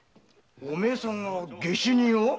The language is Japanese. お前さんが下手人を？